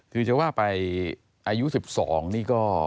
คือจะว่าไปอายุ๑๒นี่ก็